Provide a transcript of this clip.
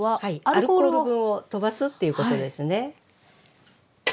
アルコール分を飛ばすっていうことですね。